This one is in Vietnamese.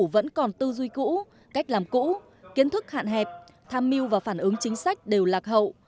vẫn còn tư duy cũ cách làm cũ kiến thức hạn hẹp tham mưu và phản ứng chính sách đều lạc hậu